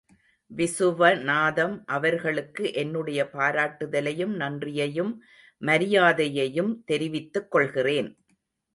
விசுவநாதம் அவர்களுக்கு என்னுடைய பாராட்டுதலையும், நன்றியையும், மரியாதையையும் தெரிவித்துக்கொள்கிறேன்.